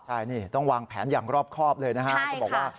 ใช่ต้องวางแผนอย่างรอบครอบเลยนะฮะ